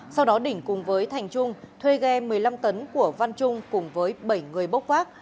sau đó đỉnh cùng với thành trung thuê ghe một mươi năm tấn của văn trung cùng với bảy người bốc vác